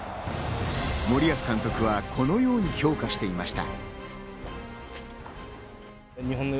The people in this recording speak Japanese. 森保監督はこのように評価していました。